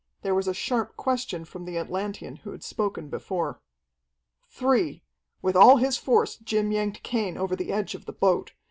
There was a sharp question from the Atlantean who had spoken before. "Three!" With all his force Jim yanked Cain over the edge of the boat.